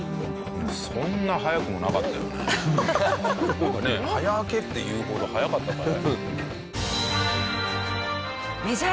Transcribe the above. なんかね早開けっていうほど早かったかね？